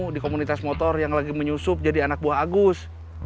di komunitas motor yang lagi menyusup jadi anak buah agus